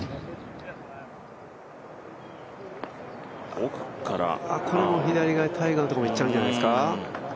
奥からこれも左側タイガーのところにいっちゃうんじゃないですか。